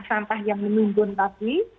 sampah yang menunggun lagi